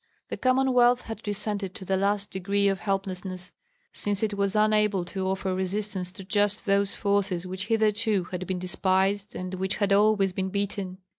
The Commonwealth had descended to the last degree of helplessness, since it was unable to offer resistance to just those forces which hitherto had been despised and which had always been beaten.